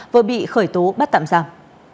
vừa bị khởi tố bắt tạm giảm